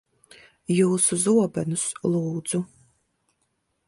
Jūsu zobenus, lūdzu.